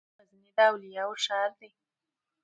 غزنی د اولیاوو ښار دی.